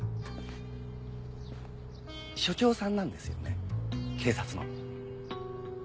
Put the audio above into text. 署長さんなんですよね警察の。